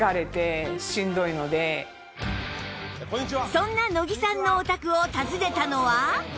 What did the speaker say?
そんな乃木さんのお宅を訪ねたのは